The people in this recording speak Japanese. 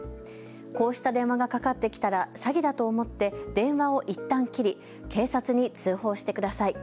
こうした電話がかかってきたら詐欺だと思って電話をいったん切り、警察に通報してください。